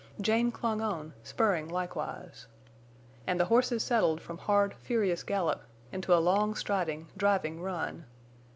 Jane clung on, spurring likewise. And the horses settled from hard, furious gallop into a long striding, driving run.